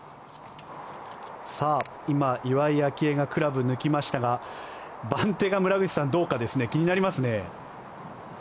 今、岩井明愛がクラブを抜きましたが番手が村口さん、どうか気になりますね。